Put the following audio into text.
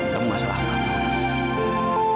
kamu nggak salah sama aku